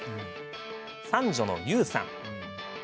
三女の由羽さん。